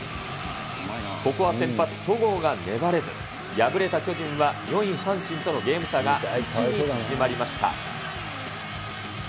ここは先発、戸郷が粘れず、敗れた巨人は、４位阪神とのゲーム差が１に縮まりました。